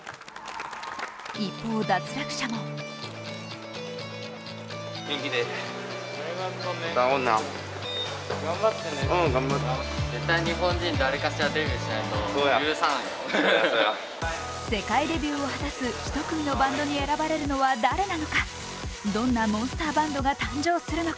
一方、脱落者も世界デビューを果たす一組のバンドに選ばれるのは誰なのかどんなモンスターバンドが誕生するのか。